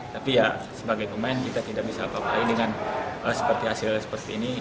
tapi ya sebagai pemain kita tidak bisa apa apa lagi dengan hasil seperti ini